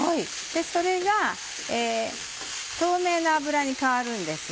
それが透明な脂に変わるんです。